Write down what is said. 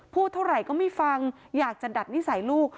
พูดเท่าไหร่ก็ไม่ฟังอยากจะดัดนิสัยลูก